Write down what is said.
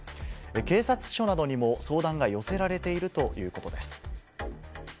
警察署などにも相談が寄せられているということです。